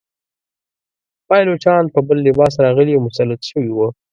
پایلوچان په بل لباس راغلي او مسلط شوي وه.